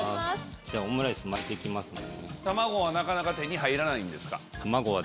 じゃあオムライス巻いていきますね。